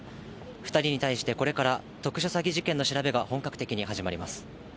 ２人に対してこれから、特殊詐欺事件の調べが本格的に始まります。